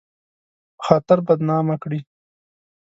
په خاطر بدنامه کړي